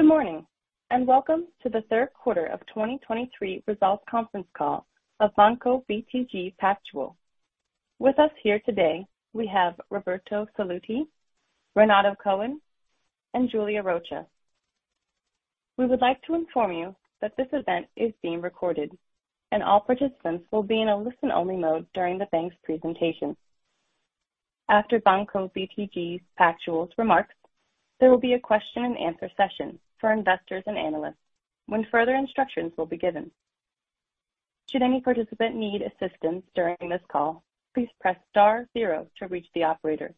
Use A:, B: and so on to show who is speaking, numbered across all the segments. A: Good morning, and welcome to the third quarter of 2023 results conference call of Banco BTG Pactual. With us here today, we have Roberto Sallouti, Renato Cohn, and Julia Rocha. We would like to inform you that this event is being recorded, and all participants will be in a listen-only mode during the bank's presentation. After Banco BTG Pactual's remarks, there will be a question and answer session for investors and analysts, when further instructions will be given. Should any participant need assistance during this call, please press star zero to reach the operator.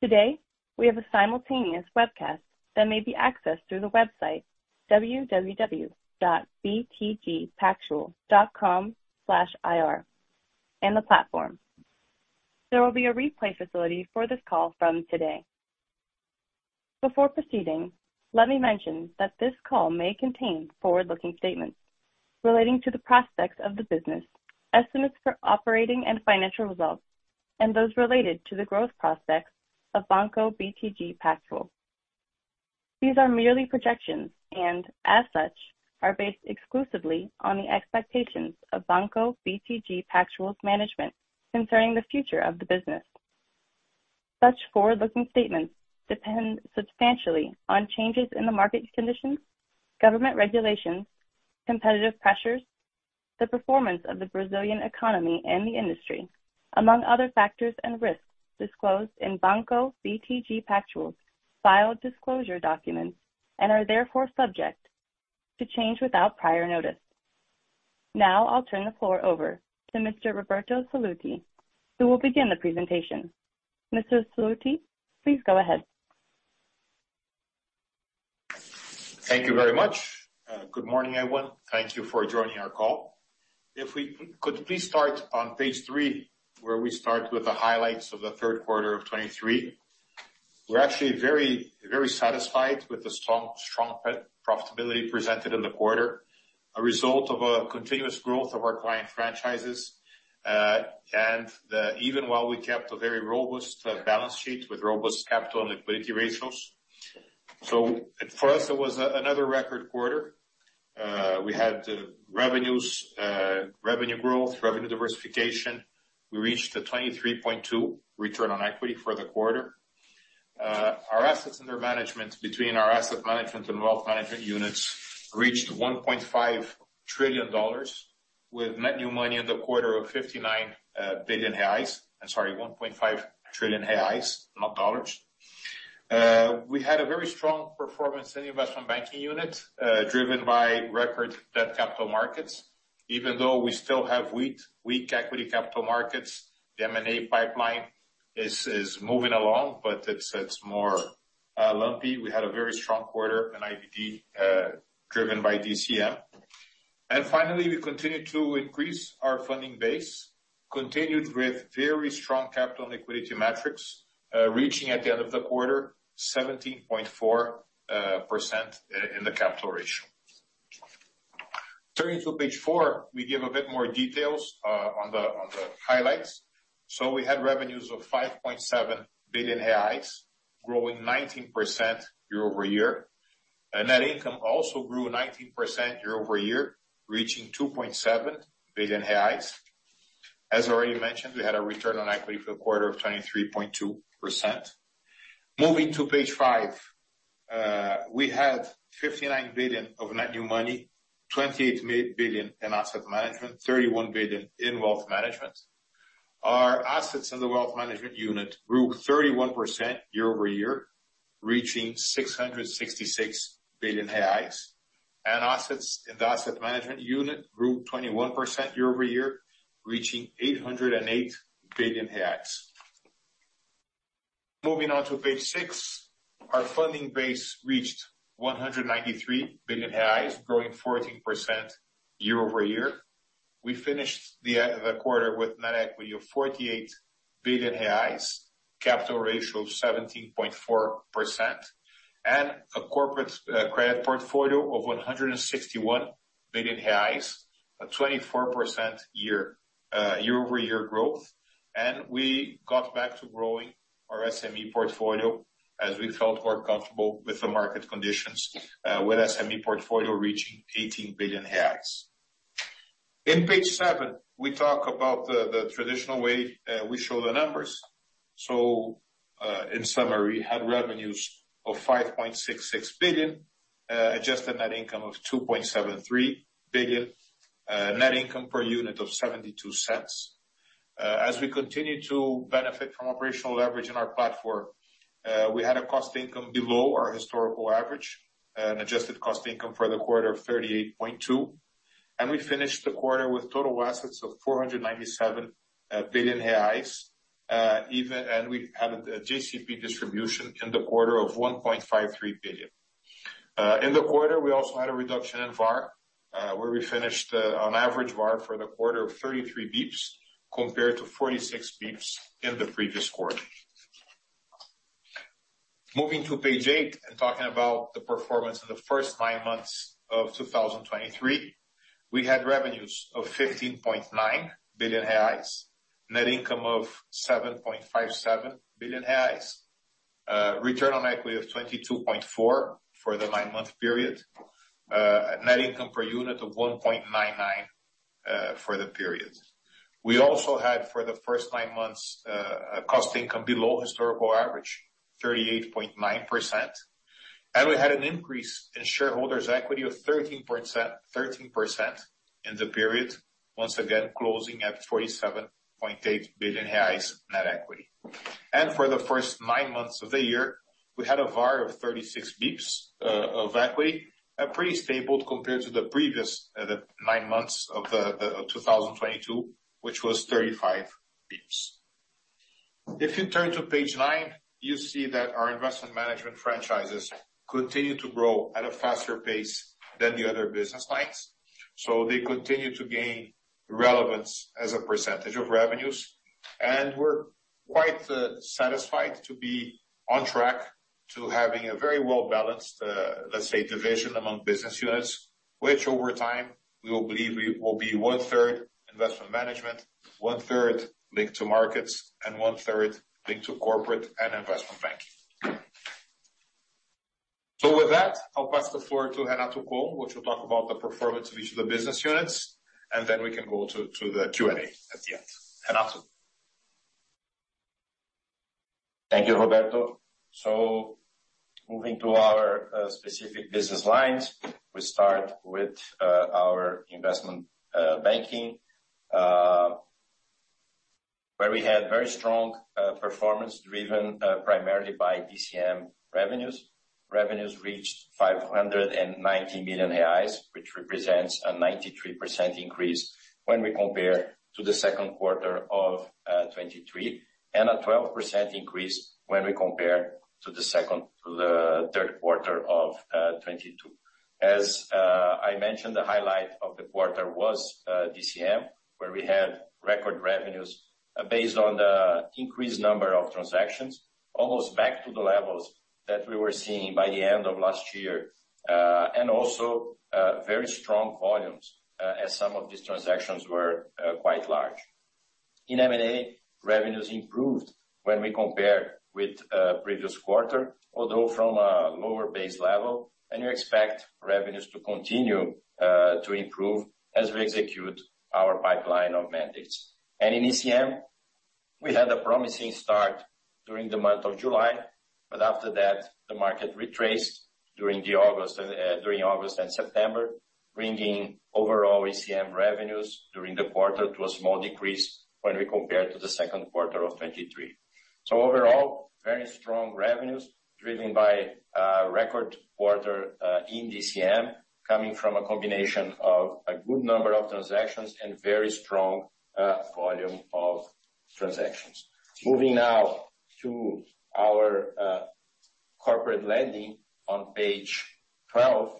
A: Today, we have a simultaneous webcast that may be accessed through the website www.btgpactual.com/ir in the platform. There will be a replay facility for this call from today. Before proceeding, let me mention that this call may contain forward-looking statements relating to the prospects of the business, estimates for operating and financial results, and those related to the growth prospects of Banco BTG Pactual. These are merely projections and, as such, are based exclusively on the expectations of Banco BTG Pactual's management concerning the future of the business. Such forward-looking statements depend substantially on changes in the market conditions, government regulations, competitive pressures, the performance of the Brazilian economy and the industry, among other factors and risks disclosed in Banco BTG Pactual's filed disclosure documents, and are therefore subject to change without prior notice. Now I'll turn the floor over to Mr. Roberto Sallouti, who will begin the presentation. Mr. Sallouti, please go ahead.
B: Thank you very much. Good morning, everyone. Thank you for joining our call. If we could please start on page three, where we start with the highlights of the third quarter of 2023. We're actually very, very satisfied with the strong profitability presented in the quarter, a result of a continuous growth of our client franchises, and even while we kept a very robust balance sheet with robust capital and liquidity ratios. So for us, it was another record quarter. We had revenues, revenue growth, revenue diversification. We reached a 23.2 return on equity for the quarter. Our assets under management between our asset management and wealth management units reached $1.5 trillion, with net new money in the quarter of 59 billion reais. I'm sorry, 1.5 trillion reais, not dollars. We had a very strong performance in the investment banking unit, driven by record debt capital markets. Even though we still have weak equity capital markets, the M&A pipeline is moving along, but it's more lumpy. We had a very strong quarter in IBD, driven by DCM. And finally, we continued to increase our funding base, continued with very strong capital and liquidity metrics, reaching, at the end of the quarter, 17.4% in the capital ratio. Turning to page four, we give a bit more details on the highlights. So we had revenues of 5.7 billion reais, growing 19% year-over-year, and net income also grew 19% year-over-year, reaching 2.7 billion reais. As already mentioned, we had a return on equity for the quarter of 23.2%. Moving to page five, we had 59 billion of net new money, 28 billion in asset management, 31 billion in wealth management. Our assets in the wealth management unit grew 31% year-over-year, reaching 666 billion reais, and assets in the asset management unit grew 21% year-over-year, reaching BRL 808 billion. Moving on to page six, our funding base reached 193 billion reais, growing 14% year-over-year. We finished the quarter with net equity of 48 billion reais, capital ratio of 17.4%, and a corporate credit portfolio of 161 billion, a 24% year-over-year growth. We got back to growing our SME portfolio as we felt more comfortable with the market conditions, with SME portfolio reaching 18 billion reais. In page seven, we talk about the traditional way we show the numbers. So, in summary, we had revenues of 5.66 billion, adjusted net income of 2.73 billion, net income per unit of 0.72. As we continue to benefit from operational leverage in our platform, we had a cost income below our historical average, an adjusted cost income for the quarter of 38.2%, and we finished the quarter with total assets of 497 billion reais. And we had a JCP distribution in the quarter of 1.53 billion. In the quarter, we also had a reduction in VaR, where we finished, on average VaR for the quarter of 33 basis points, compared to 46 basis points in the previous quarter. Moving to page 8 and talking about the performance in the first nine months of 2023. We had revenues of 15.9 billion reais, net income of 7.57 billion reais, return on equity of 22.4% for the nine-month period, net income per unit of 1.99, for the period. We also had, for the first nine months, a cost-to-income below historical average, 38.9%. We had an increase in shareholders' equity of 13.7%-13% in the period, once again, closing at 47.8 billion reais net equity. For the first nine months of the year, we had a VaR of 36 basis points of equity, pretty stable compared to the previous, the nine months of 2022, which was 35 basis points. If you turn to page nine, you see that our investment management franchises continue to grow at a faster pace than the other business lines. So they continue to gain relevance as a percentage of revenues, and we're quite satisfied to be on track to having a very well-balanced, let's say, division among business units. Which over time, we will believe will be 1/3 investment management, 1/3 linked to markets, and 1/3 linked to corporate and investment banking. So with that, I'll pass the floor to Renato Cohn, which will talk about the performance of each of the business units, and then we can go to the Q&A at the end. Renato?
C: Thank you, Roberto. So moving to our specific business lines, we start with our investment banking, where we had very strong performance, driven primarily by DCM revenues. Revenues reached 590 million reais, which represents a 93% increase when we compare to the second quarter of 2023, and a 12% increase when we compare to the third quarter of 2022. As I mentioned, the highlight of the quarter was DCM, where we had record revenues based on the increased number of transactions, almost back to the levels that we were seeing by the end of last year. And also very strong volumes, as some of these transactions were quite large. In M&A, revenues improved when we compare with previous quarter, although from a lower base level, and we expect revenues to continue to improve as we execute our pipeline of mandates. And in ECM, we had a promising start during the month of July, but after that, the market retraced during August and September, bringing overall ECM revenues during the quarter to a small decrease when we compare to the second quarter of 2023. So overall, very strong revenues, driven by a record quarter in DCM, coming from a combination of a good number of transactions and very strong volume of transactions. Moving now to our Corporate Lending on page 12.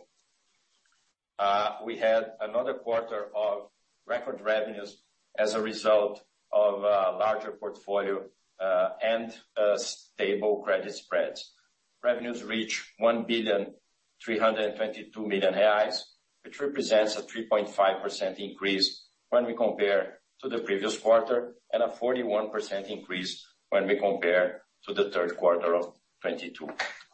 C: We had another quarter of record revenues as a result of a larger portfolio and stable credit spreads. Revenues reach 1.322 billion, which represents a 3.5% increase when we compare to the previous quarter, and a 41% increase when we compare to the third quarter of 2022.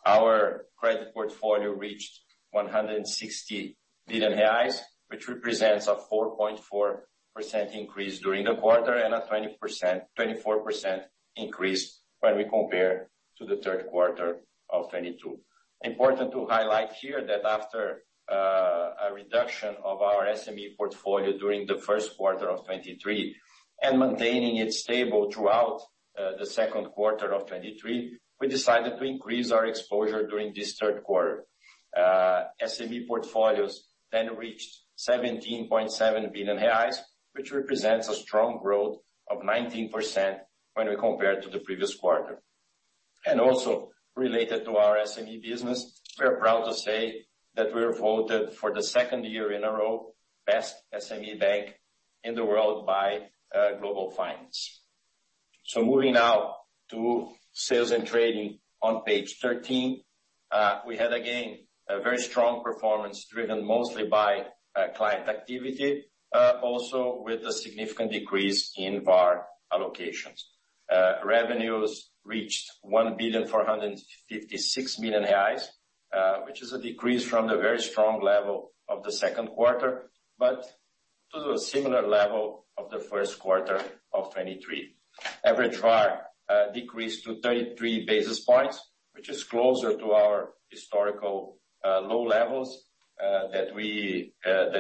C: Our credit portfolio reached 160 billion reais, which represents a 4.4% increase during the quarter and a 24% increase when we compare to the third quarter of 2022. Important to highlight here that after a reduction of our SME portfolio during the first quarter of 2023 and maintaining it stable throughout the second quarter of 2023, we decided to increase our exposure during this third quarter. SME portfolios then reached 17.7 billion reais, which represents a strong growth of 19% when we compare to the previous quarter. Also, related to our SME business, we are proud to say that we were voted, for the second year in a row, Best SME Bank in the world by Global Finance. So moving now to sales and trading on page 13. We had, again, a very strong performance, driven mostly by client activity, also with a significant decrease in VaR allocations. Revenues reached 1.456 billion, which is a decrease from the very strong level of the second quarter, but to the similar level of the first quarter of 2023. Average VaR decreased to 33 basis points, which is closer to our historical low levels that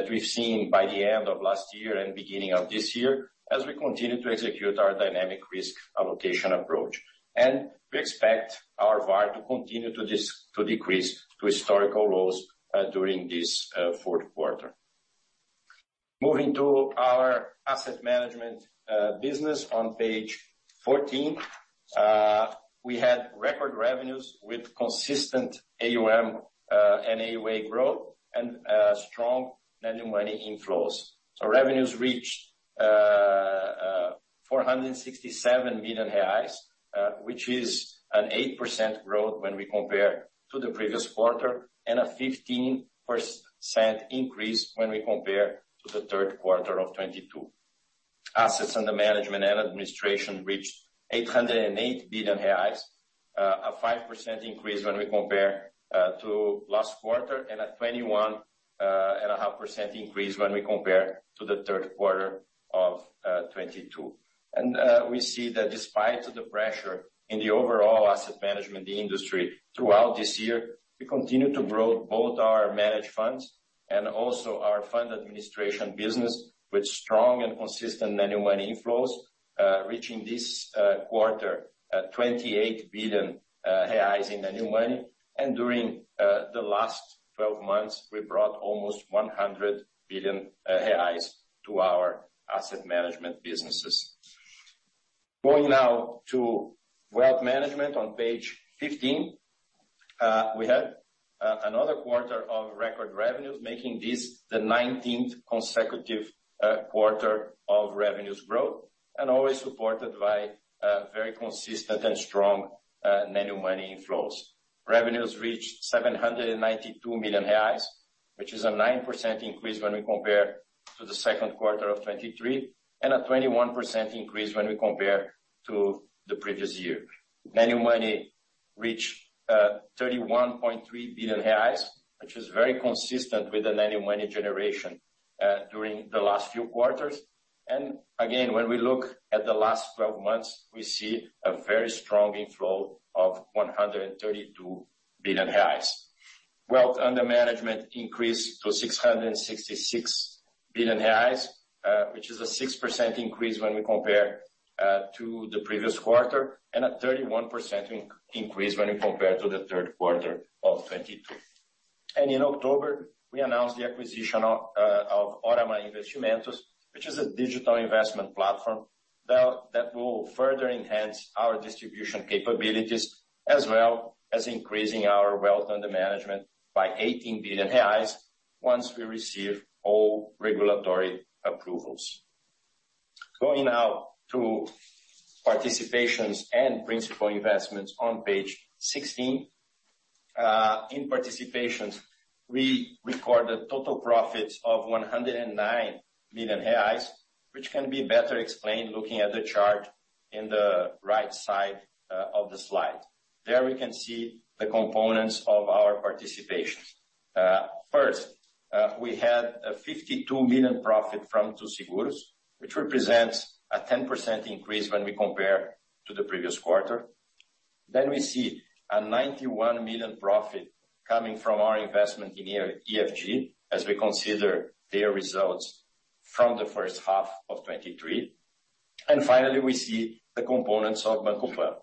C: we've seen by the end of last year and beginning of this year, as we continue to execute our dynamic risk allocation approach. And we expect our VaR to continue to decrease to historical lows during this fourth quarter. Moving to our asset management business on page 14. We had record revenues with consistent AUM and AUA growth and strong managing money inflows. Revenues reached 467 million reais, which is an 8% growth when we compare to the previous quarter, and a 15% increase when we compare to the third quarter of 2022. Assets under management and administration reached 808 billion reais, a 5% increase when we compare to last quarter, and a 21.5% increase when we compare to the third quarter of 2022. We see that despite the pressure in the overall asset management industry throughout this year, we continue to grow both our managed funds and also our fund administration business, with strong and consistent annual money inflows, reaching this quarter at 28 billion reais in new money. During the last 12 months, we brought almost 100 billion reais to our asset management businesses. Going now to wealth management on page 15. We had another quarter of record revenues, making this the 19th consecutive quarter of revenues growth, and always supported by very consistent and strong annual money inflows. Revenues reached 792 million reais, which is a 9% increase when we compare to the second quarter of 2023, and a 21% increase when we compare to the previous year. Annual money reached 31.3 billion reais, which is very consistent with the annual money generation during the last few quarters. And again, when we look at the last 12 months, we see a very strong inflow of 132 billion reais. Wealth under management increased to 666 billion reais, which is a 6% increase when we compare to the previous quarter, and a 31% increase when we compare to the third quarter of 2022. And in October, we announced the acquisition of Órama, which is a digital investment platform, that will further enhance our distribution capabilities, as well as increasing our wealth under management by 18 billion reais once we receive all regulatory approvals. Going now to participations and principal investments on page 16. In participations, we recorded total profits of 109 million reais, which can be better explained looking at the chart in the right side of the slide. There we can see the components of our participations. First, we had a 52 million profit from Tu Seguros, which represents a 10% increase when we compare to the previous quarter. Then we see a 91 million profit coming from our investment in EFG, as we consider their results from the first half of 2023. And finally, we see the components of Banco PAN,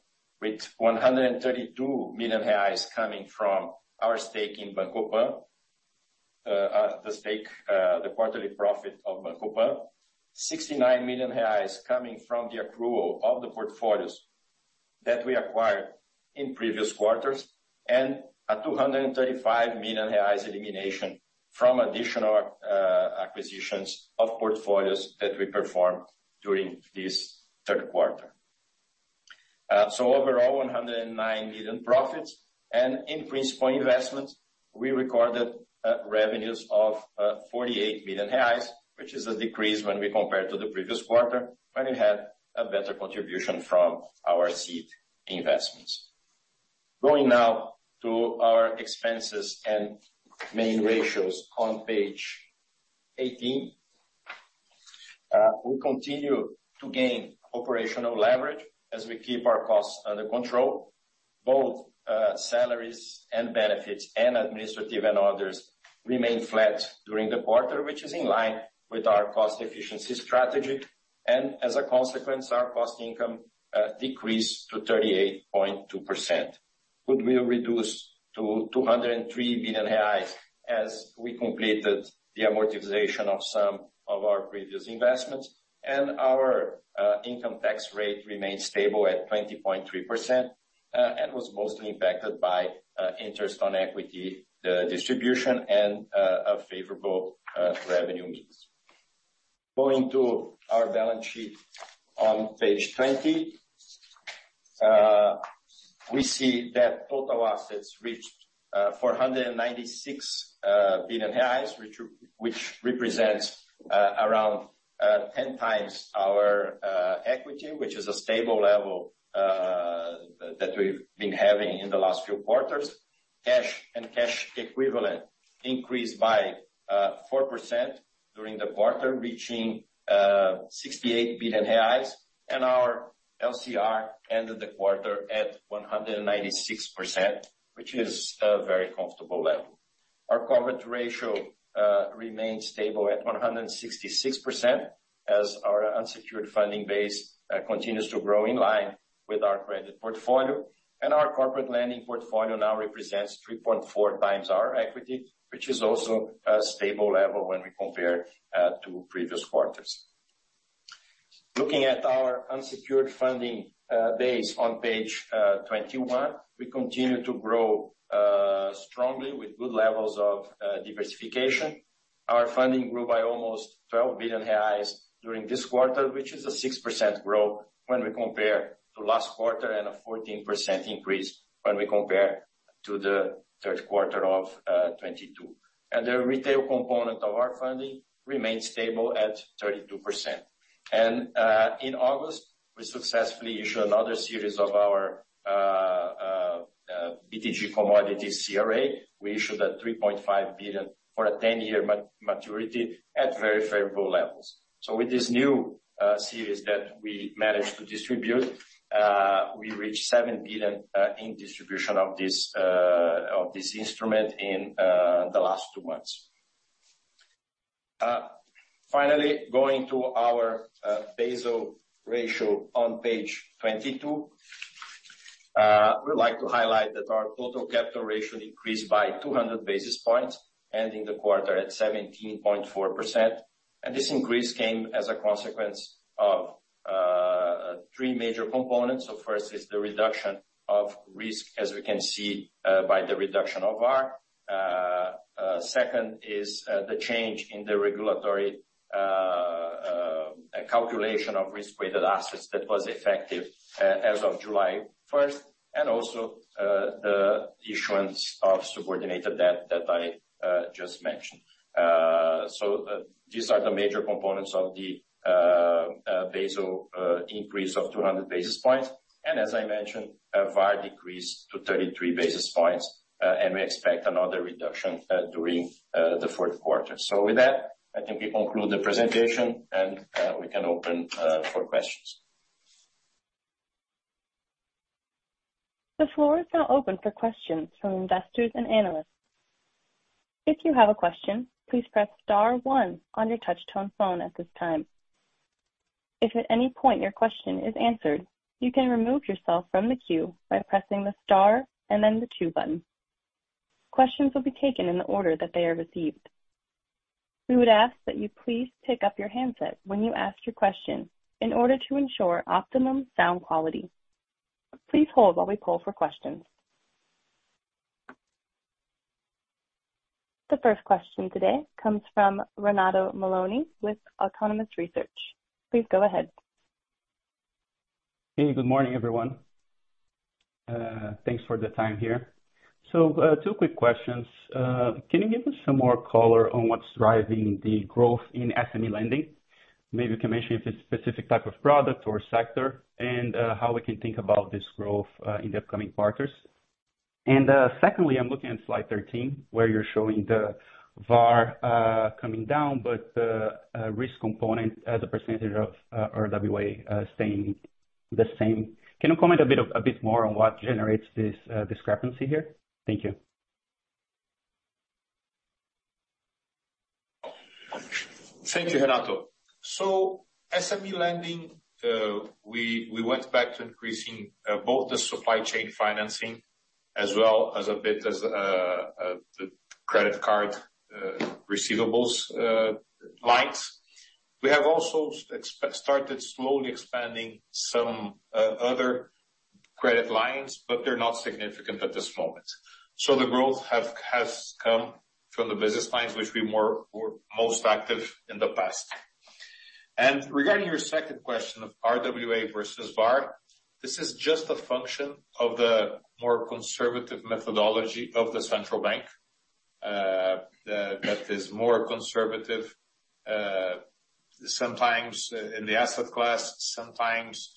C: with 132 million reais coming from our stake in Banco PAN, the stake, the quarterly profit of Banco PAN. 69 million reais coming from the accrual of the portfolios that we acquired in previous quarters, and a 235 million reais elimination from additional acquisitions of portfolios that we performed during this third quarter. So overall, 109 million profits. And in principal investments, we recorded revenues of 48 million reais, which is a decrease when we compare to the previous quarter, when we had a better contribution from our seed investments. Going now to our expenses and main ratios on page 18. We continue to gain operational leverage as we keep our costs under control. Both salaries and benefits, and administrative, and others remained flat during the quarter, which is in line with our cost efficiency strategy. As a consequence, our cost income decreased to 38.2%, but we reduced to 203 billion reais as we completed the amortization of some of our previous investments. Our income tax rate remained stable at 20.3%, and was mostly impacted by interest on equity, the distribution, and a favorable revenue mix. Going to our balance sheet on page 20. We see that total assets reached 496 billion reais, which represents around 10x our equity, which is a stable level that we've been having in the last few quarters. Cash and cash equivalent increased by 4% during the quarter, reaching 68 billion reais, and our LCR ended the quarter at 196%, which is a very comfortable level. Our coverage ratio remains stable at 166%, as our unsecured funding base continues to grow in line with our credit portfolio. Our corporate lending portfolio now represents 3.4x our equity, which is also a stable level when we compare to previous quarters. Looking at our unsecured funding base on page 21, we continue to grow strongly with good levels of diversification. Our funding grew by almost 12 billion reais during this quarter, which is a 6% growth when we compare to last quarter, and a 14% increase when we compare to the third quarter of 2022. The retail component of our funding remains stable at 32%. In August, we successfully issued another series of our BTG Commodity CRA. We issued 3.5 billion for a 10-year maturity at very favorable levels. With this new series that we managed to distribute, we reached 7 billion in distribution of this of this instrument in the last two months. Finally, going to our Basel ratio on page 22. We'd like to highlight that our total capital ratio increased by 200 basis points, ending the quarter at 17.4%. This increase came as a consequence of three major components. First is the reduction of risk, as we can see, by the reduction of R. Second is the change in the regulatory calculation of risk-weighted assets that was effective as of July 1st, and also the issuance of subordinated debt that I just mentioned. So these are the major components of the Basel increase of 200 basis points. And as I mentioned, VaR decreased to 33 basis points, and we expect another reduction during the fourth quarter. So with that, I think we conclude the presentation, and we can open for questions.
A: The floor is now open for questions from investors and analysts. If you have a question, please press star one on your touch tone phone at this time. If at any point your question is answered, you can remove yourself from the queue by pressing the star and then the two button. Questions will be taken in the order that they are received. We would ask that you please pick up your handset when you ask your question in order to ensure optimum sound quality. Please hold while we poll for questions. The first question today comes from Renato Meloni with Autonomous Research. Please go ahead.
D: Hey, good morning, everyone. Thanks for the time here. So, two quick questions. Can you give us some more color on what's driving the growth in SME lending? Maybe you can mention if it's a specific type of product or sector, and how we can think about this growth in the upcoming quarters. And secondly, I'm looking at slide 13, where you're showing the VaR coming down, but the risk component as a percentage of RWA staying the same. Can you comment a bit more on what generates this discrepancy here? Thank you.
C: Thank you, Renato. So SME lending, we, we went back to increasing both the supply chain financing as well as a bit as the credit card receivables lines. We have also started slowly expanding some other credit lines, but they're not significant at this moment. So the growth have, has come from the business lines which we were most active in the past. And regarding your second question of RWA versus VaR, this is just a function of the more conservative methodology of the central bank that is more conservative sometimes in the asset class, sometimes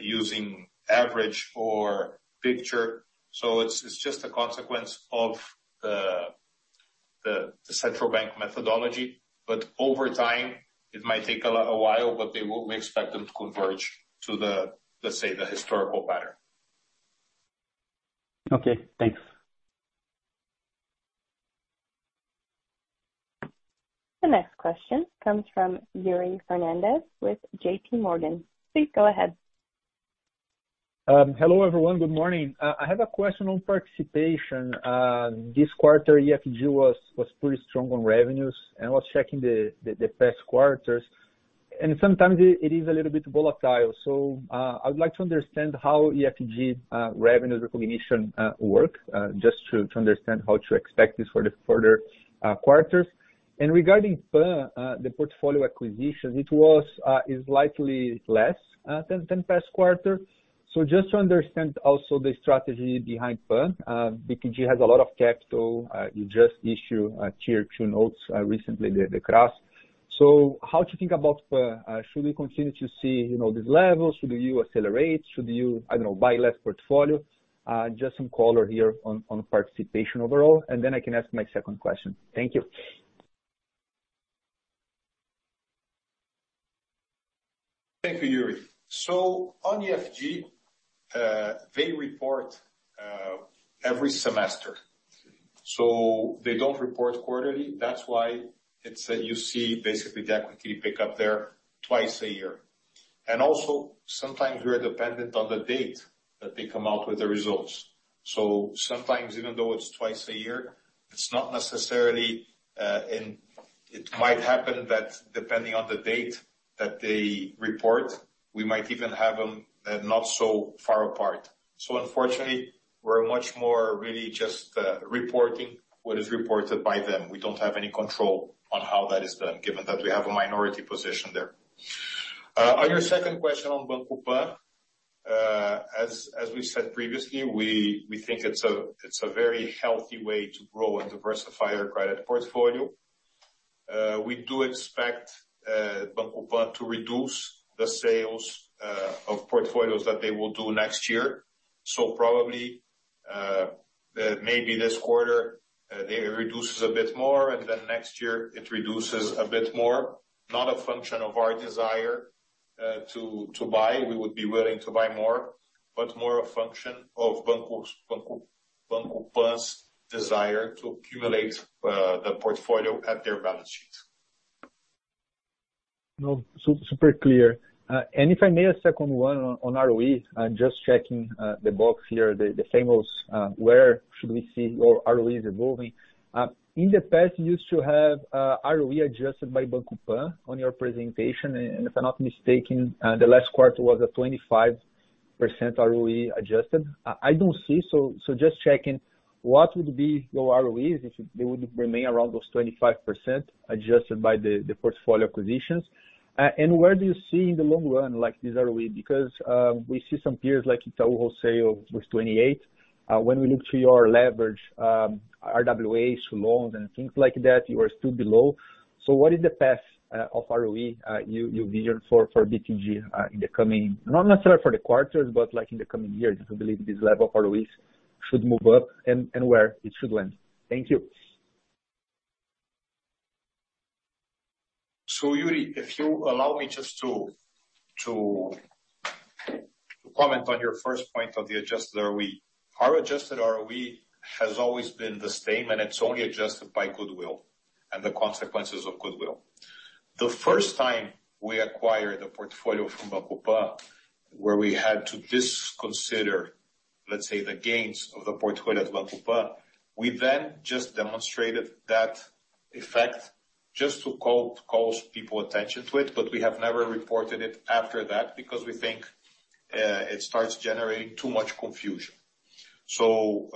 C: using average or picture. So it's just a consequence of the central bank methodology, but over time, it might take a while, but they will... We expect them to converge to the, let's say, the historical pattern.
D: Okay, thanks.
A: The next question comes from Yuri Fernandes with JPMorgan. Please go ahead.
E: Hello, everyone. Good morning. I have a question on participation. This quarter, EFG was pretty strong on revenues. I was checking the past quarters, and sometimes it is a little bit volatile. So, I would like to understand how EFG revenues recognition work, just to understand how to expect this for the further quarters. And regarding the portfolio acquisition, it was is likely less than last quarter. So just to understand also the strategy behind PAN. BTG has a lot of capital. You just issue Tier 2 notes recently, the cross. So how to think about should we continue to see, you know, these levels? Should you accelerate? Should you, I don't know, buy less portfolio? Just some color here on participation overall, and then I can ask my second question. Thank you.
B: Thank you, Yuri. So on EFG, they report every semester. So they don't report quarterly. That's why it's that you see basically the equity pick up there twice a year. And also, sometimes we are dependent on the date that they come out with the results. So sometimes, even though it's twice a year, it's not necessarily, and it might happen that depending on the date-... that they report, we might even have them, not so far apart. So unfortunately, we're much more really just, reporting what is reported by them. We don't have any control on how that is done, given that we have a minority position there. On your second question on Banco PAN, as we said previously, we think it's a very healthy way to grow and diversify our credit portfolio. We do expect, Banco PAN to reduce the sales, of portfolios that they will do next year. So probably, maybe this quarter, they reduces a bit more, and then next year it reduces a bit more. Not a function of our desire, to buy. We would be willing to buy more, but more a function of Banco PAN's desire to accumulate the portfolio at their balance sheet.
E: No, super clear. And if I may, a second one on ROE. I'm just checking the box here, the famous where should we see your ROE is evolving? In the past, you used to have ROE adjusted by Banco PAN on your presentation, and if I'm not mistaken, the last quarter was a 25% ROE adjusted. I don't see, so just checking, what would be your ROEs if they would remain around those 25%, adjusted by the portfolio acquisitions? And where do you see in the long run, like, this ROE? Because, we see some peers, like Itaú wholesale with 28. When we look to your leverage, RWAs, loans, and things like that, you are still below. So what is the path of ROE, your vision for BTG in the coming, not necessarily for the quarters, but like, in the coming years? I believe this level of ROEs should move up and where it should end. Thank you.
B: So, Yuri, if you allow me just to comment on your first point on the adjusted ROE. Our adjusted ROE has always been the same, and it's only adjusted by goodwill and the consequences of goodwill. The first time we acquired a portfolio from Banco PAN, where we had to disconsider, let's say, the gains of the portfolio at Banco PAN, we then just demonstrated that effect just to call people's attention to it, but we have never reported it after that because we think it starts generating too much confusion. So,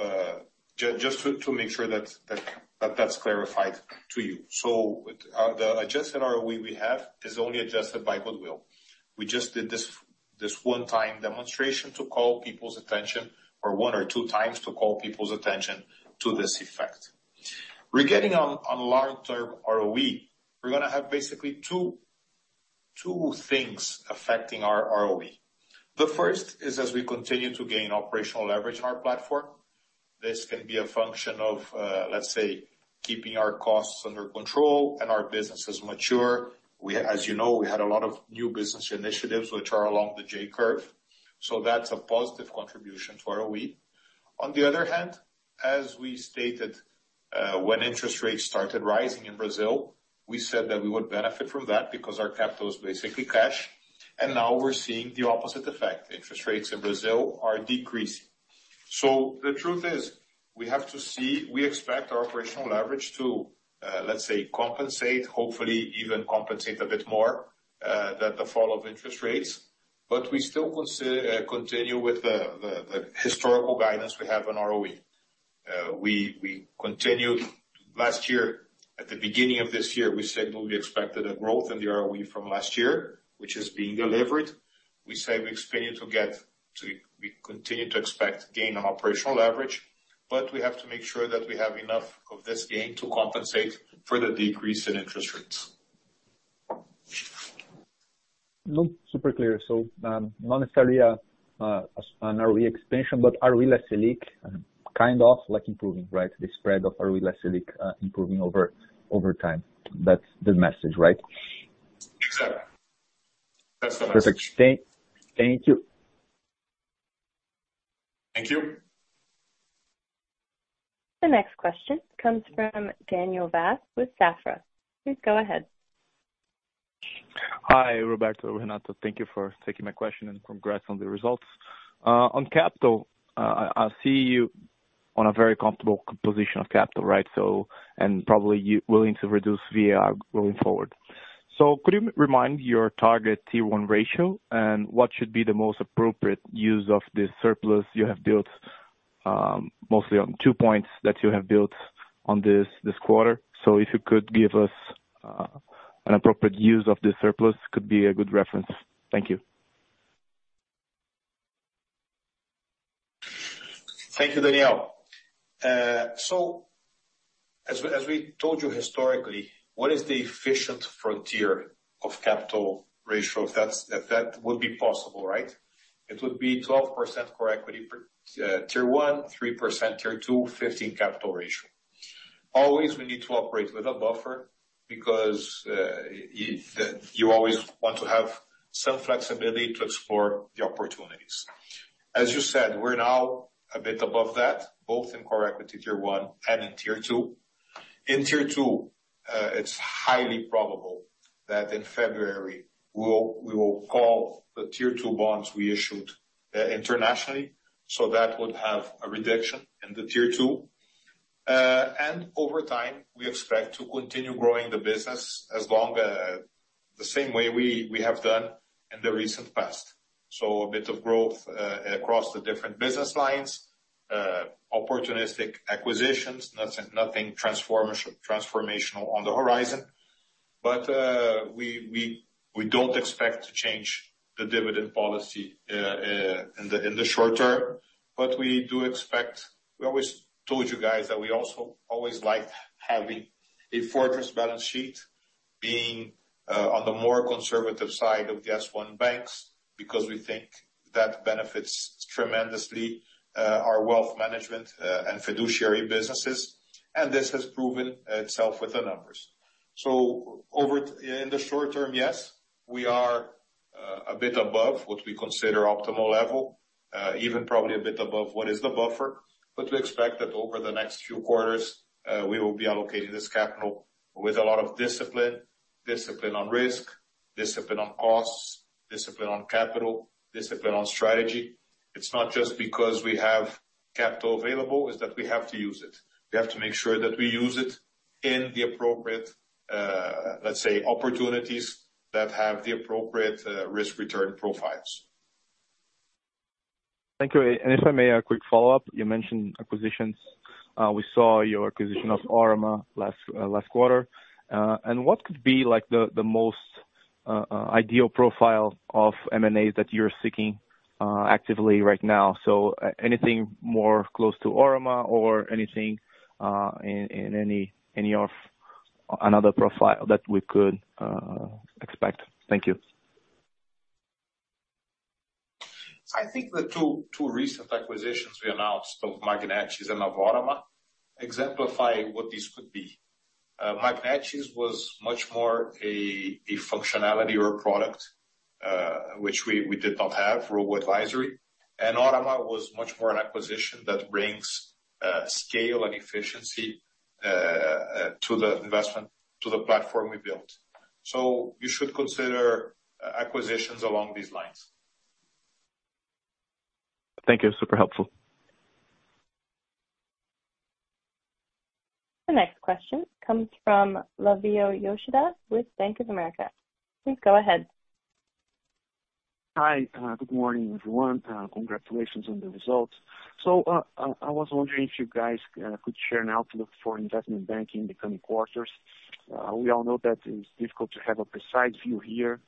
B: just to make sure that that's clarified to you. So, the adjusted ROE we have is only adjusted by goodwill. We just did this one-time demonstration to call people's attention, or one or two times, to call people's attention to this effect. Regarding long-term ROE, we're going to have basically two things affecting our ROE. The first is, as we continue to gain operational leverage in our platform, this can be a function of, let's say, keeping our costs under control and our businesses mature. As you know, we had a lot of new business initiatives which are along the J curve, so that's a positive contribution to ROE. On the other hand, as we stated, when interest rates started rising in Brazil, we said that we would benefit from that because our capital is basically cash, and now we're seeing the opposite effect. Interest rates in Brazil are decreasing. So the truth is, we have to see. We expect our operational leverage to, let's say, compensate, hopefully even compensate a bit more, than the fall of interest rates, but we still consider continue with the historical guidance we have on ROE. We continued last year. At the beginning of this year, we said we expected a growth in the ROE from last year, which is being delivered. We say we expect it to get to... We continue to expect gain on operational leverage, but we have to make sure that we have enough of this gain to compensate for the decrease in interest rates.
E: No, super clear. So, not necessarily an ROE expansion, but ROE less leak, kind of like improving, right? The spread of ROE less leak, improving over time. That's the message, right?
B: Exactly. That's the message.
E: Perfect. Thank you.
B: Thank you.
A: The next question comes from Daniel Vaz with Safra. Please go ahead.
F: Hi, Roberto, Renato. Thank you for taking my question, and congrats on the results. On capital, I see you on a very comfortable position of capital, right? So and probably you willing to reduce VaR going forward. So could you remind me your target Tier 1 ratio, and what should be the most appropriate use of the surplus you have built, mostly on two points that you have built on this quarter? So if you could give us an appropriate use of this surplus, could be a good reference. Thank you.
B: Thank you, Daniel. So as we told you historically, what is the efficient frontier of capital ratio? If that would be possible, right? It would be 12% core equity Tier 1, 3% Tier 2, 15 capital ratio. Always, we need to operate with a buffer because you always want to have some flexibility to explore the opportunities. As you said, we're now a bit above that, both in core equity Tier 1 and in Tier 2. In Tier 2, it's highly probable that in February, we will call the Tier 2 bonds we issued internationally, so that would have a reduction in the Tier 2. And over time, we expect to continue growing the business as long, the same way we have done in the recent past. So a bit of growth across the different business lines, opportunistic acquisitions, nothing transformational on the horizon. But we don't expect to change the dividend policy in the short term. But we do expect... We always told you guys that we also always like having a fortress balance sheet, being on the more conservative side of the S1 Banks, because we think that benefits tremendously our Wealth Management and fiduciary businesses, and this has proven itself with the numbers. So in the short term, yes, we are a bit above what we consider optimal level, even probably a bit above what is the buffer. But we expect that over the next few quarters we will be allocating this capital with a lot of discipline. Discipline on risk, discipline on costs, discipline on capital, discipline on strategy. It's not just because we have capital available, is that we have to use it. We have to make sure that we use it in the appropriate, let's say, opportunities that have the appropriate, risk-return profiles.
F: Thank you. And if I may, a quick follow-up. You mentioned acquisitions. We saw your acquisition of Órama last quarter. And what could be like, the most ideal profile of M&As that you're seeking actively right now? So anything more close to Órama or anything in any of another profile that we could expect? Thank you.
B: I think the two, two recent acquisitions we announced, both Magnetis and now Órama, exemplify what this could be. Magnetis was much more a, a functionality or a product, which we, we did not have, robo-advisory. And Órama was much more an acquisition that brings, scale and efficiency, to the investment, to the platform we built. So you should consider acquisitions along these lines.
F: Thank you. Super helpful.
A: The next question comes from Flavio Yoshida with Bank of America. Please go ahead.
G: Hi, good morning, everyone. Congratulations on the results. So, I was wondering if you guys could share an outlook for investment banking in the coming quarters. We all know that it's difficult to have a precise view here,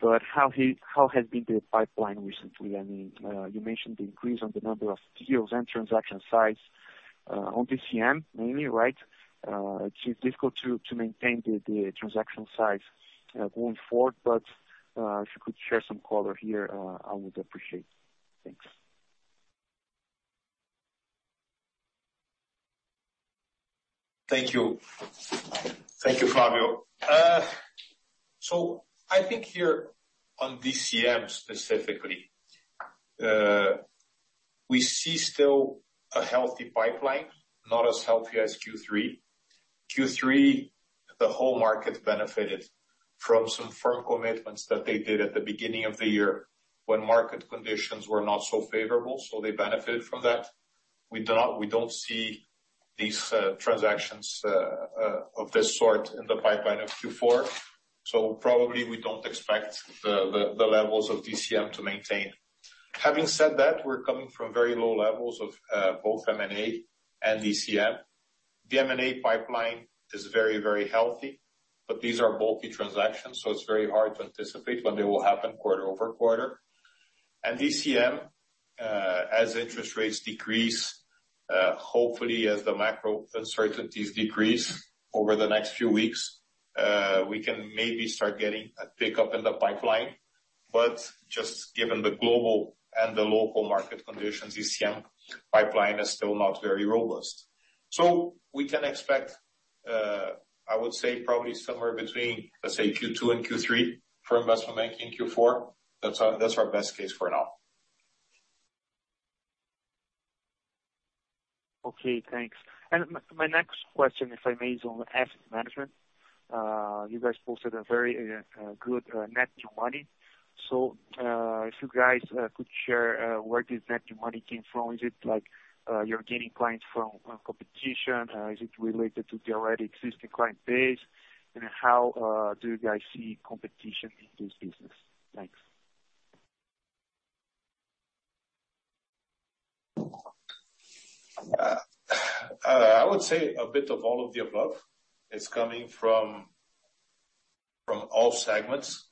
G: but how has been the pipeline recently? I mean, you mentioned the increase on the number of deals and transaction size on DCM, mainly, right? It's difficult to maintain the transaction size going forward, but if you could share some color here, I would appreciate. Thanks.
B: Thank you. Thank you, Flavio. So I think here on DCM specifically, we see still a healthy pipeline, not as healthy as Q3. Q3, the whole market benefited from some firm commitments that they did at the beginning of the year when market conditions were not so favorable, so they benefited from that. We do not-- we don't see these transactions of this sort in the pipeline of Q4, so probably we don't expect the levels of DCM to maintain. Having said that, we're coming from very low levels of both M&A and DCM. The M&A pipeline is very, very healthy, but these are bulky transactions, so it's very hard to anticipate when they will happen quarter over quarter. DCM, as interest rates decrease, hopefully, as the macro uncertainties decrease over the next few weeks, we can maybe start getting a pickup in the pipeline. But just given the global and the local market conditions, DCM pipeline is still not very robust. So we can expect, I would say probably somewhere between, let's say, Q2 and Q3 for investment banking Q4. That's our, that's our best case for now.
G: Okay, thanks. And my next question, if I may, is on asset management. You guys posted a very good net new money. So, if you guys could share where this net new money came from. Is it like you're gaining clients from competition? Is it related to the already existing client base? And how do you guys see competition in this business? Thanks.
B: I would say a bit of all of the above. It's coming from all segments,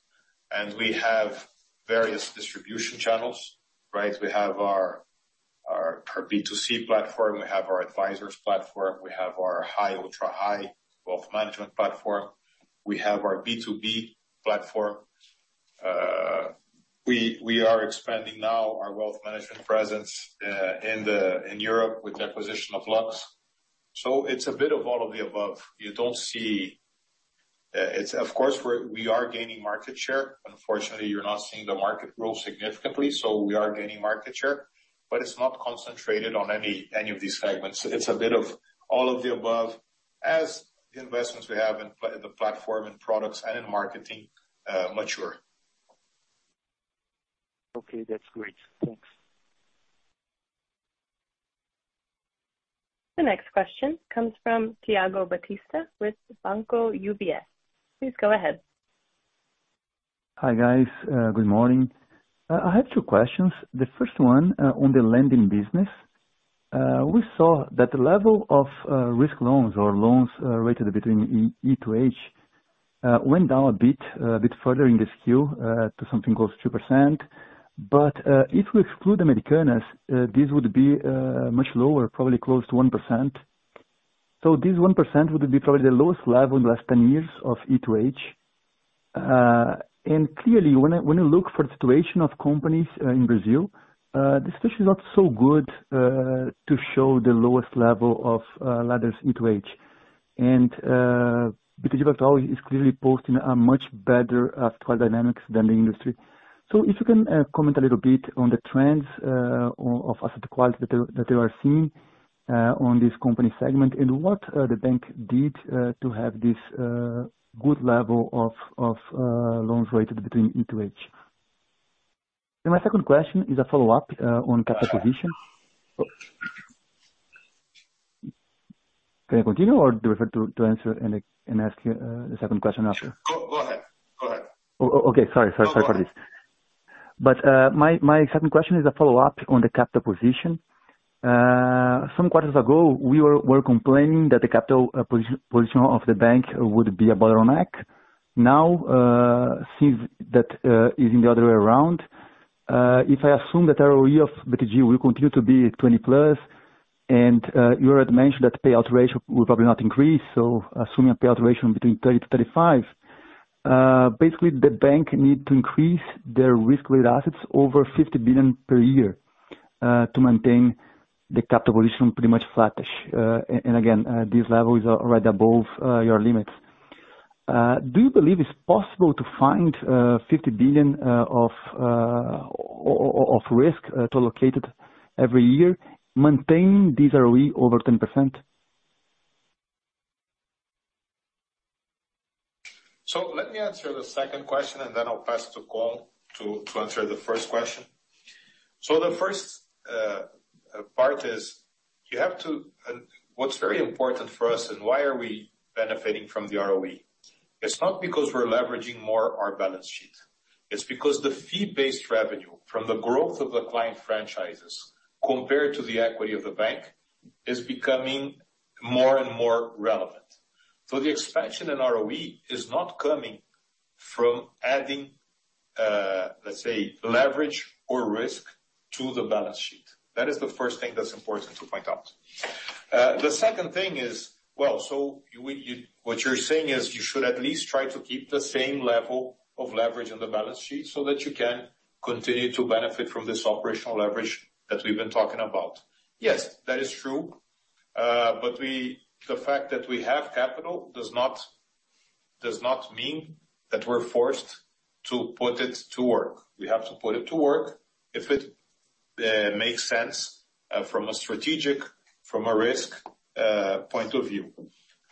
B: and we have various distribution channels, right? We have our B2C platform, we have our advisors platform, we have our high, ultra high wealth management platform, we have our B2B platform. We are expanding now our wealth management presence in Europe with the acquisition of Luxembourg. So it's a bit of all of the above. You don't see... It's of course, we are gaining market share. Unfortunately, you're not seeing the market grow significantly, so we are gaining market share, but it's not concentrated on any of these segments. It's a bit of all of the above as the investments we have in the platform, in products, and in marketing mature....
G: Okay, that's great. Thanks.
A: The next question comes from Thiago Batista with Banco UBS. Please go ahead.
H: Hi, guys, good morning. I have two questions. The first one, on the lending business. We saw that the level of risk loans or loans rated between E to H went down a bit further in this quarter to something close to 2%. But if we exclude Americanas, this would be much lower, probably close to 1%. So this 1% would be probably the lowest level in the last 10 years of E to H. And clearly, when you look for the situation of companies in Brazil, the situation is not so good to show the lowest level of letters E to H. And because it is clearly posting a much better dynamics than the industry. So if you can, comment a little bit on the trends, on, of asset quality that you, that you are seeing, on this company segment, and what, the bank did, to have this, good level of, of, loans rated between E to H? And my second question is a follow-up, on capital position. Can I continue, or do you prefer to, to answer and, and ask you, the second question after?
B: Go, go ahead. Go ahead.
H: Oh, okay, sorry, sorry for this. But my second question is a follow-up on the capital position. Some quarters ago, we were complaining that the capital position of the bank would be a bottleneck. Now, since that is in the other way around, if I assume that our ROE of BTG will continue to be 20%+, and you already mentioned that the payout ratio will probably not increase, so assuming a payout ratio between 30%-35%, basically the bank needs to increase their risk-weighted assets over 50 billion per year to maintain the capital position pretty much flattish. And again, this level is already above your limits. Do you believe it's possible to find 50 billion of risk to allocate it every year, maintaining this ROE over 10%?
B: So let me answer the second question, and then I'll pass to Cohn to, to answer the first question. So the first part is, you have to... What's very important for us and why are we benefiting from the ROE? It's not because we're leveraging more our balance sheet. It's because the fee-based revenue from the growth of the client franchises compared to the equity of the bank, is becoming more and more relevant. So the expansion in ROE is not coming from adding, let's say, leverage or risk to the balance sheet. That is the first thing that's important to point out. The second thing is, well, so you what you're saying is you should at least try to keep the same level of leverage on the balance sheet so that you can continue to benefit from this operational leverage that we've been talking about. Yes, that is true. But we—the fact that we have capital does not mean that we're forced to put it to work. We have to put it to work if it makes sense from a strategic, from a risk point of view.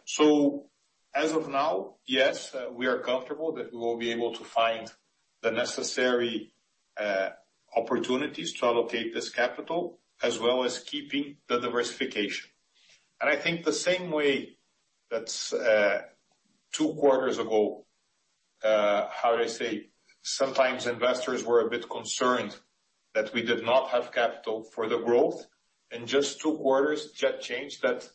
B: So as of now, yes, we are comfortable that we will be able to find the necessary opportunities to allocate this capital, as well as keeping the diversification. And I think the same way that two quarters ago, how do I say? Sometimes investors were a bit concerned that we did not have capital for the growth, and just two quarters that changed, that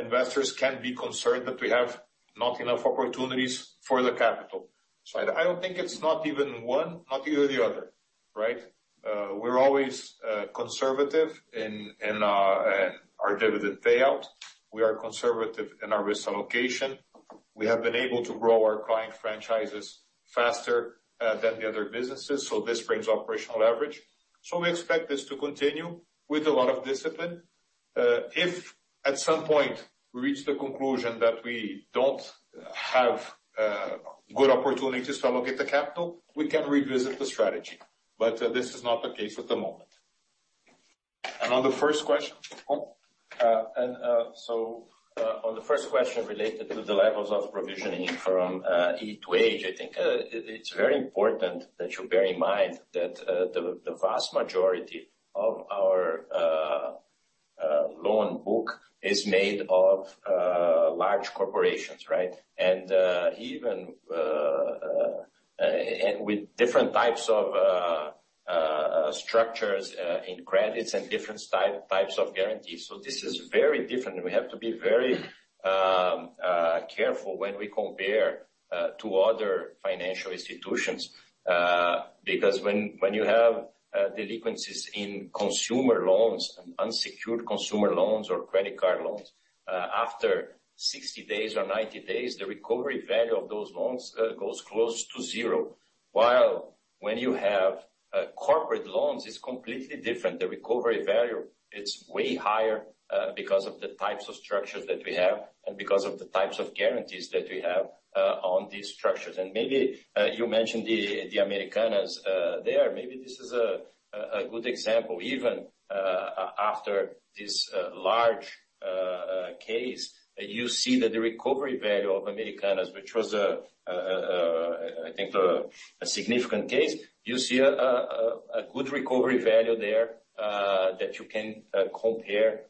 B: investors can be concerned that we have not enough opportunities for the capital. So I don't think it's not even one, not even the other, right? We're always conservative in our dividend payout. We are conservative in our risk allocation. We have been able to grow our client franchises faster than the other businesses, so this brings operational leverage. So we expect this to continue with a lot of discipline. If at some point we reach the conclusion that we don't have good opportunities to allocate the capital, we can revisit the strategy, but this is not the case at the moment.
C: On the first question related to the levels of provisioning from E to H, I think it's very important that you bear in mind that the vast majority of our loan book is made of large corporations, right? And even with different types of structures in credits and different style types of guarantees. So this is very different. We have to be very careful when we compare to other financial institutions, because when you have delinquencies in consumer loans and unsecured consumer loans or credit card loans, after 60 days or 90 days, the recovery value of those loans goes close to zero. While when you have corporate loans, it's completely different. The recovery value, it's way higher, because of the types of structures that we have, and because of the types of guarantees that we have, on these structures. And maybe, you mentioned the Americanas, there. Maybe this is a good example, even, after this large case, you see that the recovery value of Americanas, which was a, I think, a significant case. You see a good recovery value there, that you can compare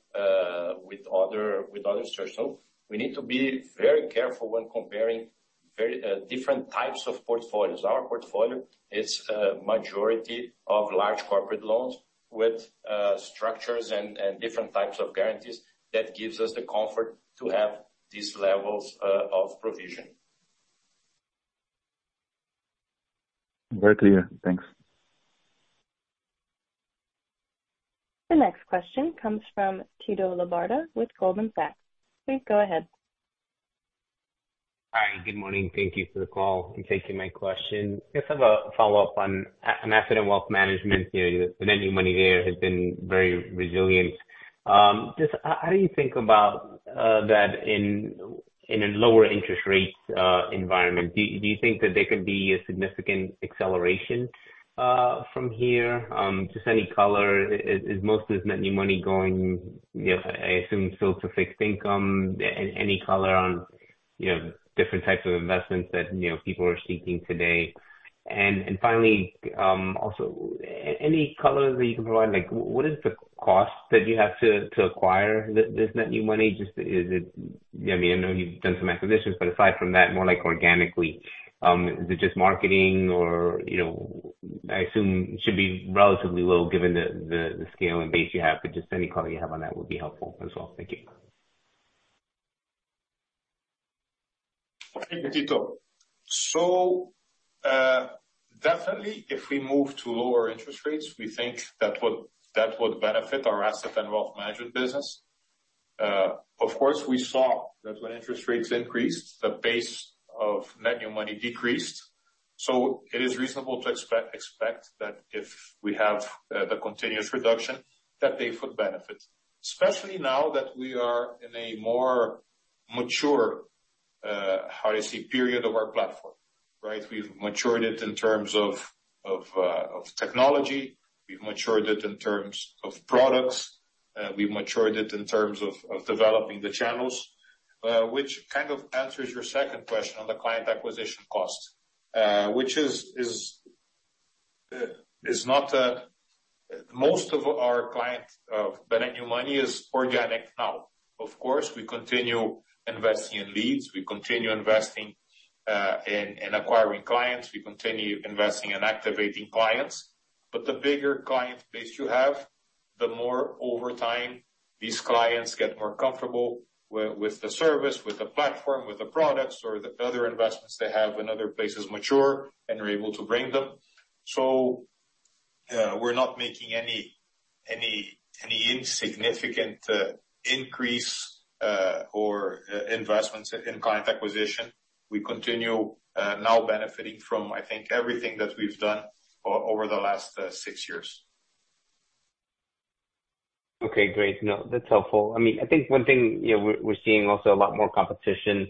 C: with other structures. So we need to be very careful when comparing very different types of portfolios. Our portfolio is a majority of large corporate loans with structures and different types of guarantees. That gives us the comfort to have these levels of provision.
I: Very clear. Thanks.
A: The next question comes from Tito Labarta with Goldman Sachs. Please go ahead.
J: Hi, good morning. Thank you for the call, and thank you for my question. Just have a follow-up on asset and wealth management. You know, the net new money there has been very resilient. Just how do you think about that in a lower interest rates environment? Do you think that there could be a significant acceleration from here? Just any color, is most of this net new money going, you know, I assume still to fixed income, and any color on, you know, different types of investments that, you know, people are seeking today. And finally, also any color that you can provide, like what is the cost that you have to acquire this net new money? Just is it... I mean, I know you've done some acquisitions, but aside from that, more like organically, is it just marketing or, you know, I assume it should be relatively low given the scale and base you have, but just any color you have on that would be helpful as well. Thank you.
B: Thank you, Tito. So, definitely, if we move to lower interest rates, we think that would, that would benefit our asset and wealth management business. Of course, we saw that when interest rates increased, the pace of net new money decreased. So it is reasonable to expect that if we have the continuous reduction, that they would benefit, especially now that we are in a more mature, how do you say, period of our platform, right? We've matured it in terms of technology. We've matured it in terms of products. We've matured it in terms of developing the channels, which kind of answers your second question on the client acquisition cost, which is not... Most of our clients, net new money is organic now. Of course, we continue investing in leads, we continue investing in acquiring clients. We continue investing in activating clients, but the bigger client base you have, the more over time, these clients get more comfortable with the service, with the platform, with the products or the other investments they have when other places mature, and we're able to bring them. So, we're not making any insignificant increase or investments in client acquisition. We continue now benefiting from, I think, everything that we've done over the last six years.
J: Okay, great. No, that's helpful. I mean, I think one thing, you know, we're seeing also a lot more competition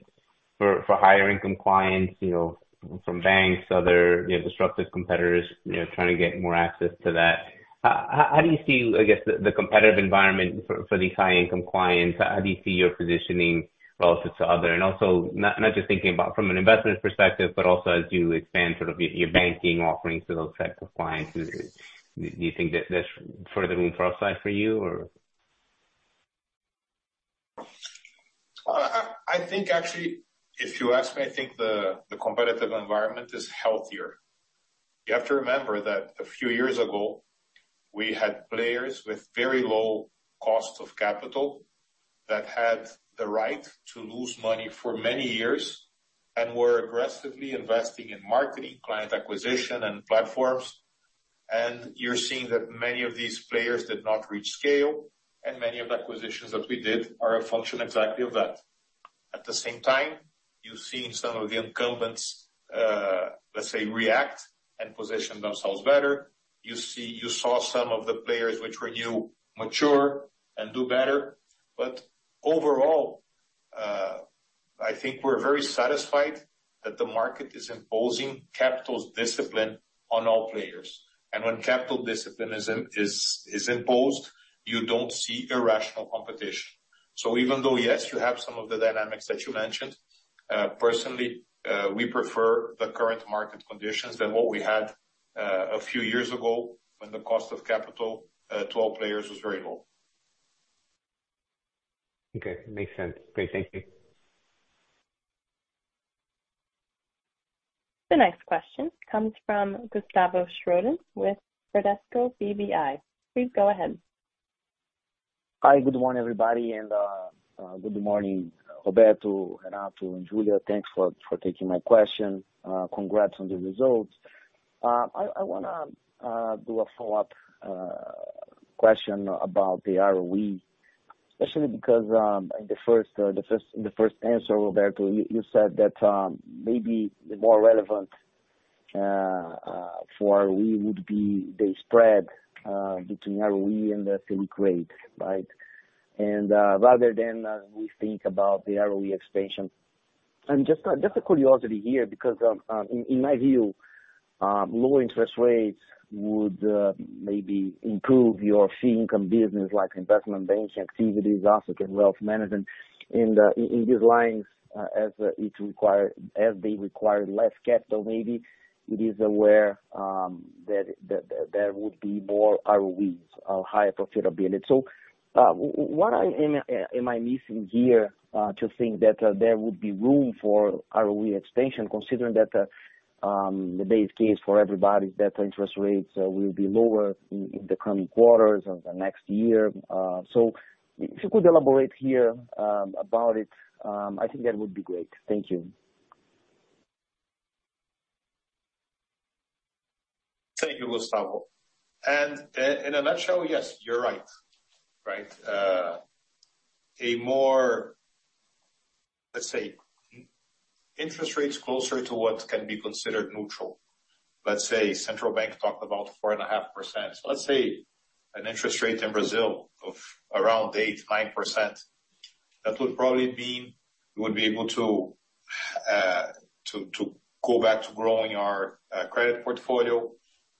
J: for higher income clients, you know, from banks, other, you know, disruptive competitors, you know, trying to get more access to that. How do you see, I guess, the competitive environment for these high income clients? How do you see your positioning relative to other? And also, not just thinking about from an investment perspective, but also as you expand sort of your banking offerings to those types of clients. Do you think that there's further room for upside for you, or?
B: I think actually, if you ask me, I think the competitive environment is healthier. You have to remember that a few years ago, we had players with very low cost of capital that had the right to lose money for many years and were aggressively investing in marketing, client acquisition, and platforms. And you're seeing that many of these players did not reach scale, and many of the acquisitions that we did are a function exactly of that. At the same time, you've seen some of the incumbents, let's say, react and position themselves better. You saw some of the players which were new, mature and do better. But overall, I think we're very satisfied that the market is imposing capital discipline on all players. And when capital discipline is imposed, you don't see irrational competition. So even though, yes, you have some of the dynamics that you mentioned, personally, we prefer the current market conditions than what we had a few years ago when the cost of capital to all players was very low.
J: Okay, makes sense. Great. Thank you.
A: The next question comes from Gustavo Schroden with Bradesco BBI. Please go ahead.
I: Hi, good morning, everybody, and good morning, Roberto, Renato, and Julia. Thanks for, for taking my question. Congrats on the results. I wanna do a follow-up question about the ROE, especially because in the first answer, Roberto, you said that maybe the more relevant for ROE would be the spread between ROE and the Fed rate, right? And rather than we think about the ROE expansion. And just a curiosity here, because in my view, low interest rates would maybe improve your fee income business, like investment banking activities, also in wealth management. In these lines, as it require, as they require less capital, maybe it is aware, that there would be more ROEs or high profitability. So, what am I missing here, to think that there would be room for ROE expansion, considering that the base case for everybody is that interest rates will be lower in the coming quarters and the next year? So if you could elaborate here, about it, I think that would be great. Thank you.
B: Thank you, Gustavo. And in a nutshell, yes, you're right. Right, a more, let's say, interest rates closer to what can be considered neutral. Let's say central bank talked about 4.5%. So let's say an interest rate in Brazil of around 8%-9%, that would probably mean we would be able to, to, to go back to growing our, credit portfolio.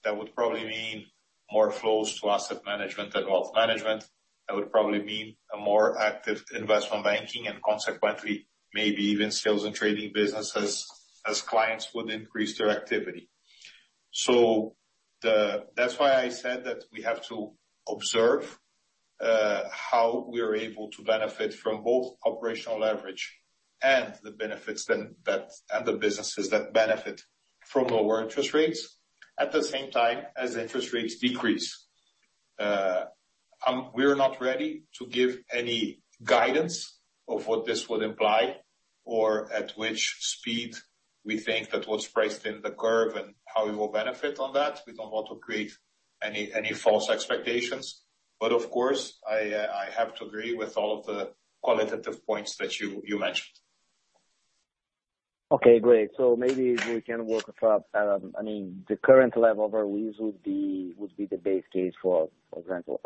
B: That would probably mean more flows to asset management and wealth management. That would probably mean a more active investment banking and consequently, maybe even sales and trading businesses as clients would increase their activity. So the... That's why I said that we have to observe, how we are able to benefit from both operational leverage and the benefits that, that, and the businesses that benefit from lower interest rates at the same time as interest rates decrease. We're not ready to give any guidance of what this would imply or at which speed we think that what's priced in the curve and how we will benefit on that. We don't want to create any, any false expectations. But of course, I have to agree with all of the qualitative points that you, you mentioned.
I: Okay, great. So maybe we can work up, I mean, the current level of ROEs would be the base case for example.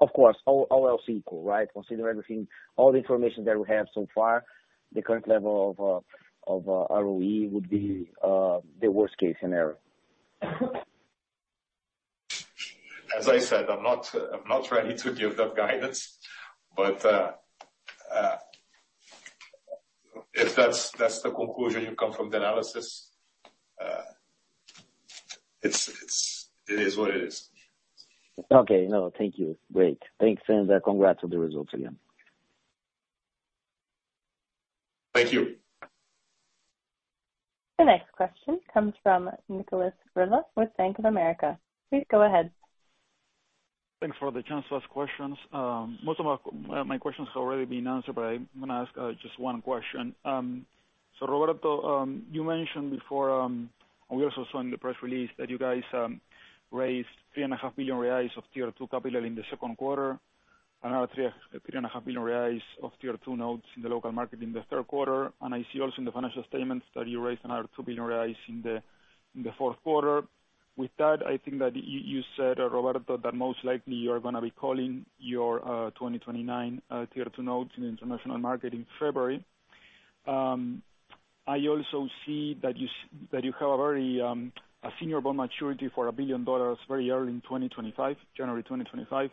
I: Of course, all else equal, right? Consider everything, all the information that we have so far, the current level of ROE would be the worst-case scenario.
B: As I said, I'm not, I'm not ready to give that guidance, but, if that's, that's the conclusion you come from the analysis, it's, it's, it is what it is.
I: Okay. No, thank you. Great. Thanks, and congrats on the results again.
B: Thank you.
A: The next question comes from Nicholas Riva with Bank of America. Please go ahead.
K: Thanks for the chance to ask questions. Most of my, my questions have already been answered, but I'm gonna ask, just one question. So, Roberto, you mentioned before, we also saw in the press release, that you guys, raised 3.5 billion reais of Tier 2 capital in the second quarter, another three and a half billion reais of Tier 2 notes in the local market in the third quarter. And I see also in the financial statements that you raised another 2 billion reais in the fourth quarter. With that, I think that you, you said, Roberto, that most likely you are gonna be calling your, 2029, Tier 2 notes in the international market in February. I also see that you have a very senior bond maturity for $1 billion very early in 2025, January 2025.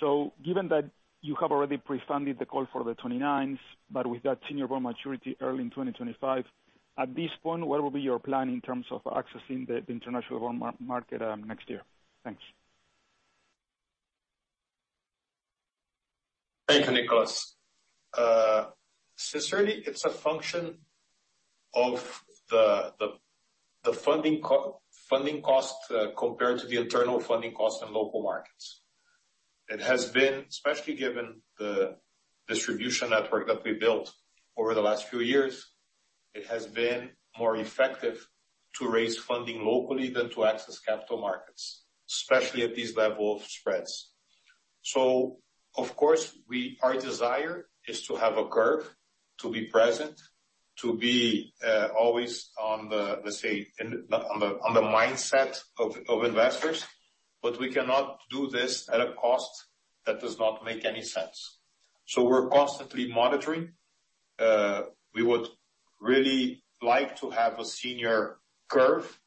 K: So given that you have already pre-funded the call for the 2029s, but with that senior bond maturity early in 2025, at this point, what will be your plan in terms of accessing the international bond market next year? Thanks.
B: Thank you, Nicholas. Sincerely, it's a function of the funding cost, compared to the internal funding cost in local markets. It has been, especially given the distribution network that we built over the last few years, more effective to raise funding locally than to access capital markets, especially at these level of spreads. So of course, our desire is to have a curve, to be present, to be always on the, let's say, in the mindset of investors, but we cannot do this at a cost that does not make any sense. So we're constantly monitoring. We would really like to have a senior curve,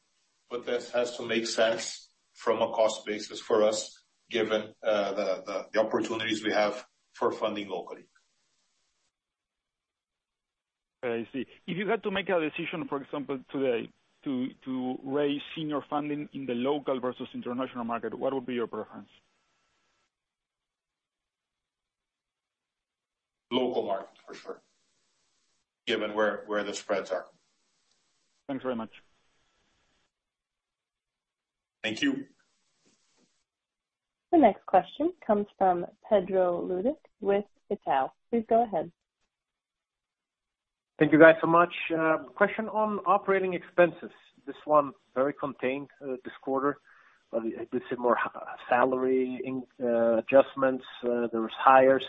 B: but that has to make sense from a cost basis for us, given the opportunities we have for funding locally.
K: I see. If you had to make a decision, for example, today, to raise senior funding in the local versus international market, what would be your preference?
B: Local market, for sure, given where the spreads are.
K: Thanks very much.
B: Thank you.
A: The next question comes from Pedro Leduc, with Itaú. Please go ahead.
L: Thank you, guys, so much. Question on operating expenses. This one very contained this quarter, but we see more salary in adjustments. There was hires.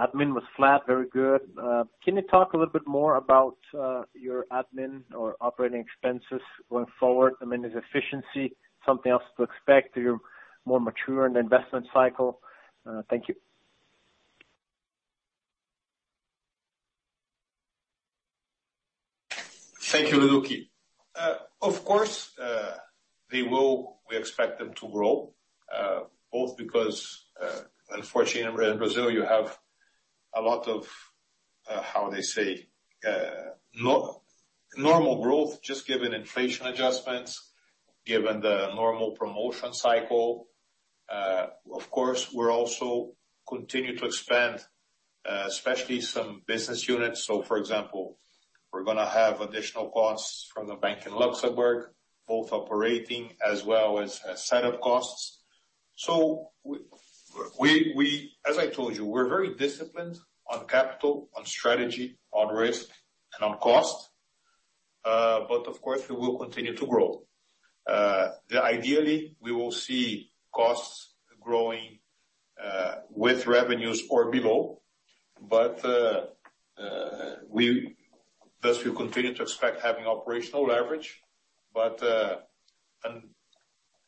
L: Admin was flat, very good. Can you talk a little bit more about your admin or operating expenses going forward? I mean, is efficiency something else to expect as you're more mature in the investment cycle? Thank you. ...
B: Thank you, Leduc. Of course, they will. We expect them to grow, both because, unfortunately, in Brazil, you have a lot of, how they say, normal growth, just given inflation adjustments, given the normal promotion cycle. Of course, we're also continuing to expand, especially some business units. So for example, we're going to have additional costs from the bank in Luxembourg, both operating as well as set up costs. So we, as I told you, we're very disciplined on capital, on strategy, on risk, and on cost. But of course, we will continue to grow. Ideally, we will see costs growing with revenues or below, but thus, we continue to expect having operational leverage. But, and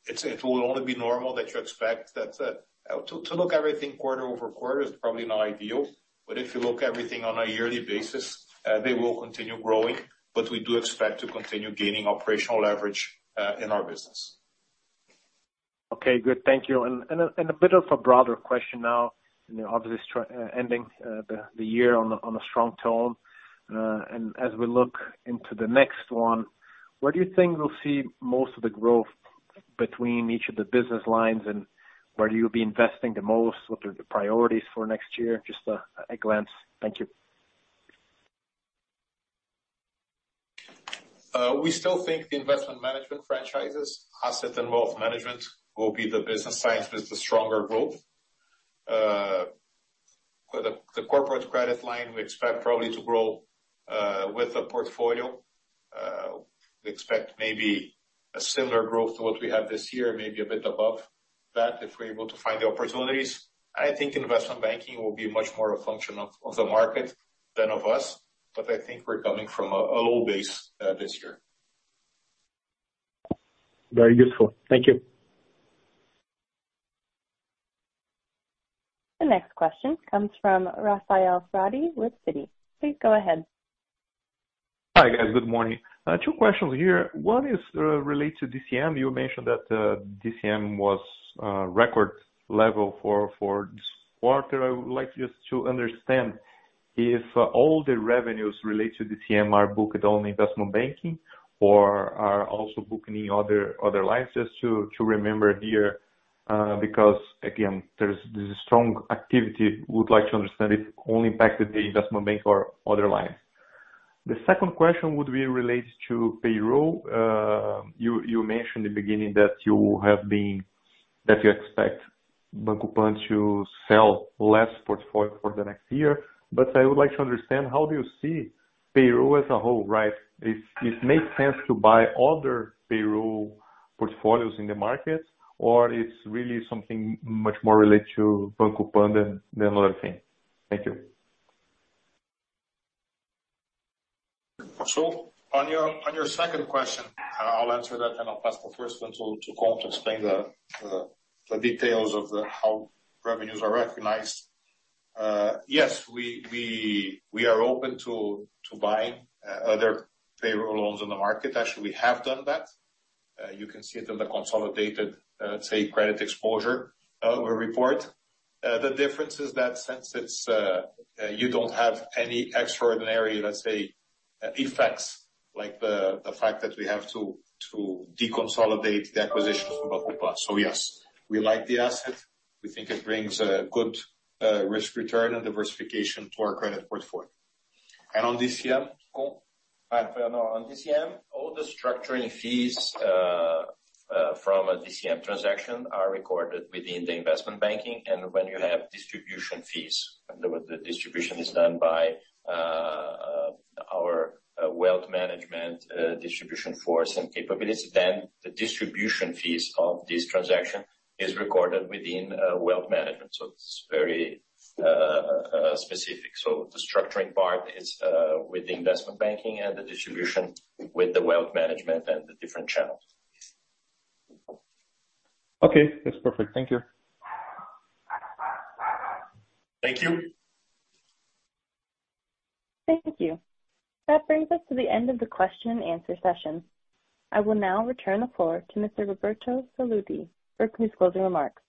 B: it's, it will only be normal that you expect that, to look everything quarter-over-quarter is probably not ideal, but if you look everything on a yearly basis, they will continue growing. But we do expect to continue gaining operational leverage, in our business.
L: Okay, good. Thank you. And a bit of a broader question now, and you're obviously strengthening the year on a strong tone. And as we look into the next one, where do you think we'll see most of the growth between each of the business lines, and where you'll be investing the most? What are the priorities for next year? Just a glance. Thank you.
B: We still think the investment management franchises, asset and wealth management, will be the business sides with the stronger growth. For the corporate credit line, we expect probably to grow with the portfolio. We expect maybe a similar growth to what we have this year, maybe a bit above that, if we're able to find the opportunities. I think investment banking will be much more a function of the market than of us, but I think we're coming from a low base this year.
L: Very useful. Thank you.
A: The next question comes from Rafael Frade with Citi. Please go ahead.
M: Hi, guys. Good morning. Two questions here. One is related to DCM. You mentioned that DCM was record level for this quarter. I would like just to understand if all the revenues related to DCM are booked only investment banking or are also booking in other lines, just to remember here, because again, there's strong activity. Would like to understand it only impacted the investment bank or other lines. The second question would be related to payroll. You mentioned in the beginning that you expect Banco PAN to sell less portfolio for the next year, but I would like to understand, how do you see payroll as a whole, right? If it makes sense to buy other payroll portfolios in the market, or it's really something much more related to Banco PAN than other thing. Thank you.
B: On your second question, I'll answer that, and I'll pass the first one to Paul to explain the details of how revenues are recognized. Yes, we are open to buying other payroll loans on the market. Actually, we have done that. You can see it in the consolidated credit exposure report. The difference is that since it's, you don't have any extraordinary, let's say, effects, like the fact that we have to deconsolidate the acquisitions from Banco PAN. So yes, we like the asset. We think it brings a good risk return and diversification to our credit portfolio. And on DCM, Cohn?
C: No, on DCM, all the structuring fees from a DCM transaction are recorded within the investment banking. And when you have distribution fees, and the distribution is done by our wealth management distribution force and capabilities, then the distribution fees of this transaction is recorded within wealth management. So it's very specific. So the structuring part is with the investment banking and the distribution with the wealth management and the different channels.
M: Okay, that's perfect. Thank you.
B: Thank you.
A: Thank you. That brings us to the end of the question and answer session. I will now return the floor to Mr. Roberto Sallouti for concluding remarks.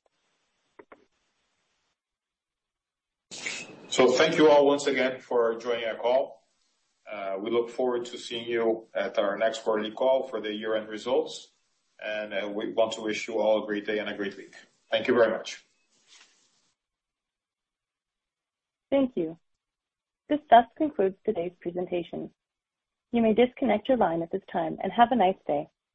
B: So thank you all once again for joining our call. We look forward to seeing you at our next quarterly call for the year-end results, and we want to wish you all a great day and a great week. Thank you very much.
A: Thank you. This does conclude today's presentation. You may disconnect your line at this time, and have a nice day.